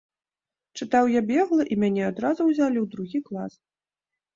Чытаў я бегла, і мяне адразу ўзялі ў другі клас.